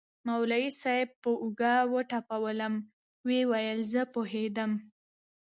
مولوي صاحب پر اوږه وټپولوم ويې ويل زه پوهېدم.